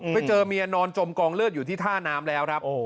ไปเจอเมียนอนจมกองเลือดอยู่ที่ท่าน้ำแล้วครับ